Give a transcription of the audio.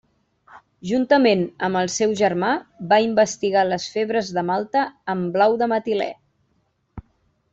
Juntament amb el seu germà va investigar les febres de Malta amb blau de metilè.